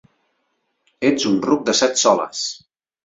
Ets un ruc de set soles!